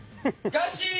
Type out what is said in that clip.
ガシーン！